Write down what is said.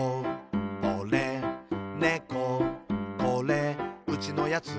「おれ、ねここれ、うちのやつ」